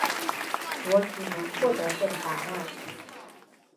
我只能获得这个答案